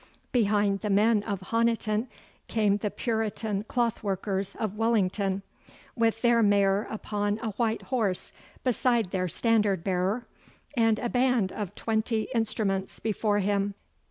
Behind the men of Honiton came the Puritan clothworkers of Wellington, with their mayor upon a white horse beside their standard bearer, and a band of twenty instruments before him.